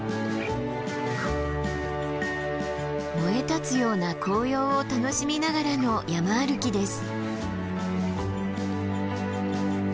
燃えたつような紅葉を楽しみながらの山歩きです。